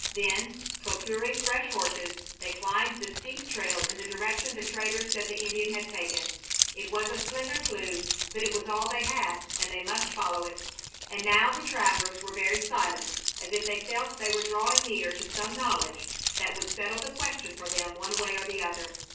Then, procuring fresh horses, they climbed the steep trail in the direction the trader said the Indian had taken. It was a slender clue, but it was all they had, and they must follow it. And now the travelers were very silent, as if they felt they were drawing near to some knowledge that would settle the question for them one way or the other.